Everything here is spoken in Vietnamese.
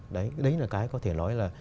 đấy là cái có thể nói là